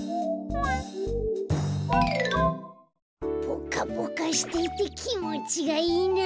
ぽかぽかしていてきもちがいいな。